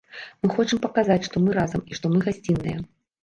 Мы хочам паказаць, што мы разам, і што мы гасцінныя.